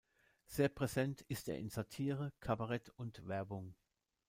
Sehr präsent ist er in Satire, Kabarett und Werbung.